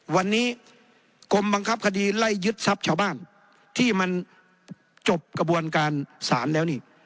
วันนี้กรมบังคับคดีไล่ยึดทรัพย์ชาวบ้านที่มันจบกระบวนการศาลแล้วนี่